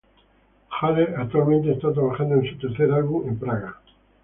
Jade actualmente está trabajando en su tercer álbum en Praga.